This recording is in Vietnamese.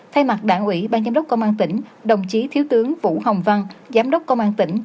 thay mặt đảng ủy ban giám đốc công an tỉnh đồng chí thiếu tướng vũ hồng văn giám đốc công an tỉnh